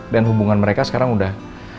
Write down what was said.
dan hubungan mereka sekarang udah